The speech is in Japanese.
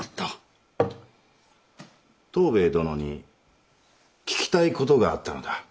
藤兵衛殿に聞きたい事があったのだ。